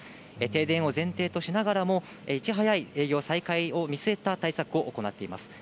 停電を前提としながらも、いち早い営業再開を見据えた対策を行っています。